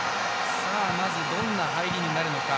どんな入りになるのか。